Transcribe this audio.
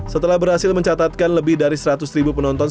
setelah berhasil mencatatkan lebih dari seratus ribu penonton